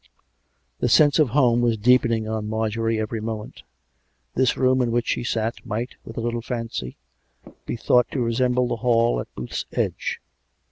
The sense of home was deepening on Marjorie every moment. This room in which she sat, might, with a little fancy, be thought to resemble the hall at Booth's Edge.